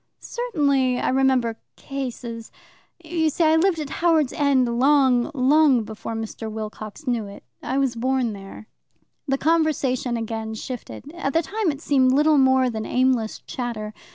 "Certainly I remember cases you see I lived at Howards End long, long before Mr. Wilcox knew it. I was born there." The conversation again shifted. At the time it seemed little more than aimless chatter.